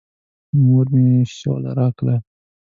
مور مې شوله راکوله.